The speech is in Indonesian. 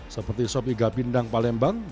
seperti sopi gapindang palembang